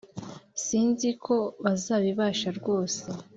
Sinziko bazabibasha rwose